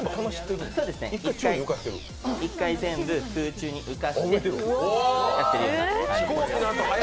１回全部空中に浮かせて乗せるようになってます。